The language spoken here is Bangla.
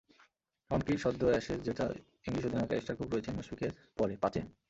এমনকি সদ্য অ্যাশেজ জেতা ইংলিশ অধিনায়ক অ্যালিস্টার কুক রয়েছেন মুশফিকের পরে, পাঁচে।